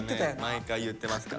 毎回言ってますからね。